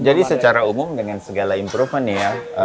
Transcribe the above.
jadi secara umum dengan segala improvementnya ya